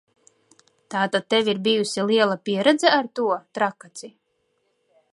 Tātad tev ir bijusi liela pieredze ar to, Trakaci?